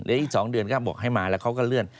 อีก๒เดือนก็บอกให้มาแล้วเขาก็เลื่อน